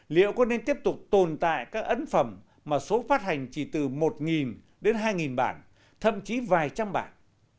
liệu có nên tiếp tục tồn tại các ấn phẩm mà số phát hành chỉ từ một đến hai bản thậm chí vài trăm bản